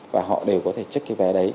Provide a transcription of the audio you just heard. và họ đều có thể trích cái vé đấy